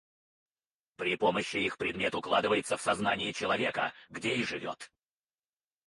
При помощи их предмет укладывается в сознании человека, где и живёт.